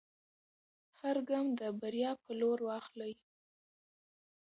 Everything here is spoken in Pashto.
هر ګام د بریا په لور واخلئ.